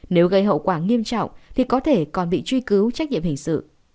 nếu gây hậu quả nghiêm trọng thì có thể còn bị truy cứu trách nhiệm hình sự